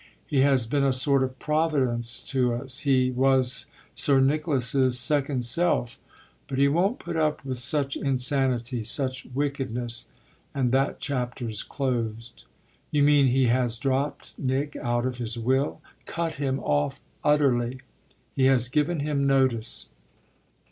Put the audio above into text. He has been a sort of providence to us he was Sir Nicholas's second self. But he won't put up with such insanity, such wickedness, and that chapter's closed." "You mean he has dropped Nick out of his will?" "Cut him off utterly. He has given him notice."